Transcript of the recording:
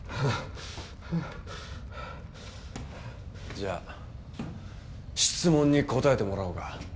じゃあ質問に答えてもらおうか。